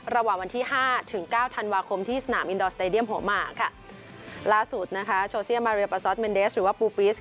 ระหว่างวันที่ห้าถึงเก้าธันวาคมที่สนามอินดอร์สเตดียมหัวหมากค่ะล่าสุดนะคะโชเซียมาเรียปาซอสเมนเดสหรือว่าปูปิส